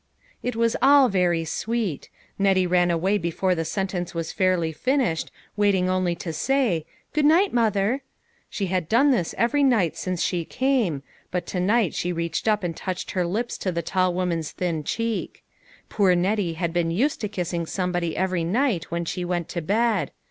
It was all very sweet. Nettie ran away be fore the sentence was fairly finished, waiting only to say, " Good night, mother 1 " She had done this every night since she came, but to night she reached up and touched her lips to the tall woman's thin cheek. Poor Nettie had been used to kissing somebody every night when she went to bed.